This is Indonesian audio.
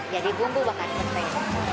jadi bumbu makan petai